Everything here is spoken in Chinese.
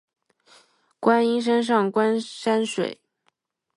观音山上观山水